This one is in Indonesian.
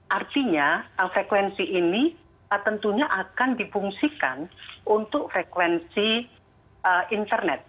artinya frekuensi ini tentunya akan dipungsikan untuk frekuensi internet